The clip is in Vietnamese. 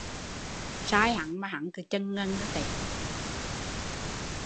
Sai hắn mà hắn cứ chần ngần